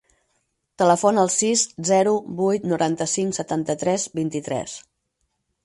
Telefona al sis, zero, vuit, noranta-cinc, setanta-tres, vint-i-tres.